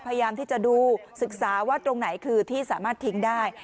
พยายามที่จะดูศึกษาว่าตรงไหนคือที่สามารถทิ้งได้